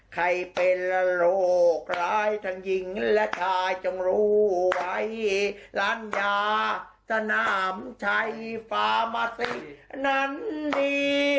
ใครเป็นโรคร้ายทั้งหญิงและชายจงรู้ไว้ร้านยาสนามชัยฟามตินั้นดี